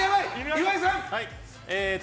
岩井さん！